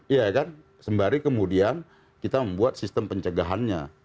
iya kan sembari kemudian kita membuat sistem pencegahannya